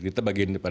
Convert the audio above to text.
kita bagian dari situ